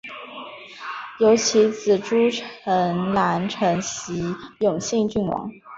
由其子朱诚澜承袭永兴郡王。